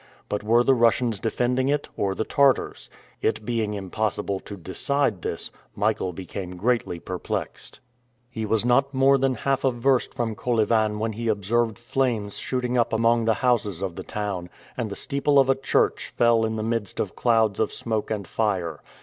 But were the Russians defending it or the Tartars? It being impossible to decide this, Michael became greatly perplexed. He was not more than half a verst from Kolyvan when he observed flames shooting up among the houses of the town, and the steeple of a church fell in the midst of clouds of smoke and fire.